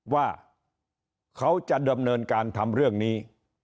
ว่าเขาจะดำเนินการทำเรื่องนี้